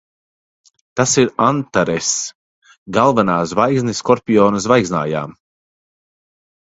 Tas ir Antaress. Galvenā zvaigzne Skorpiona zvaigznājā.